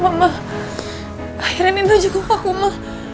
mama akhirnya nino jenguk aku ma